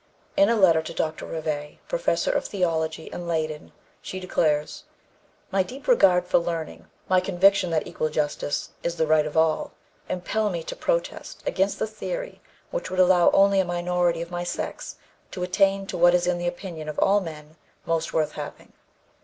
In a letter to Dr. Rivet, Professor of Theology in Leyden, she declares: "My deep regard for learning, my conviction that equal justice is the right of all, impel me to protest against the theory which would allow only a minority of my sex to attain to what is in the opinion of all men most worth having.